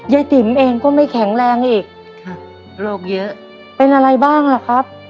ติ๋มเองก็ไม่แข็งแรงอีกค่ะโรคเยอะเป็นอะไรบ้างล่ะครับ